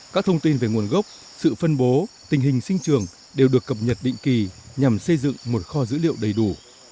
các thông tin về nguồn gốc sự phân bố tình hình sinh trường đều được cập nhật định kỳ nhằm xây dựng một kho dữ liệu đầy đủ